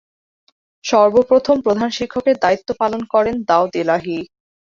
সর্বপ্রথম প্রধান শিক্ষকের দায়িত্ব পালন করেন দাউদ এলাহী।